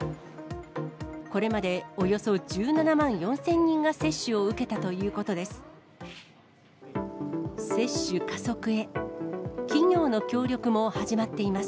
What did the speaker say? これまでおよそ１７万４０００人が接種を受けたということです。